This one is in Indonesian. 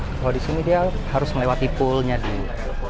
kalau di sini dia harus melewati pulnya dulu